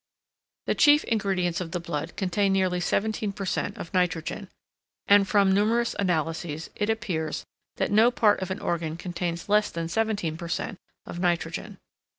The chief ingredients of the blood contain nearly 17 per cent. of nitrogen, and from numerous analyses it appears that no part of an organ contains less than 17 per cent. of nitrogen.